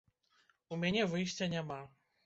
У мяне выйсця няма.